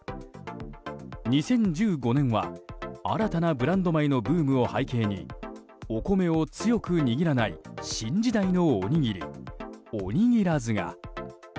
２０１５年は新たなブランド米のブームを背景にお米を強く握らない新時代のおにぎりおにぎらずが。